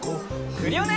クリオネ！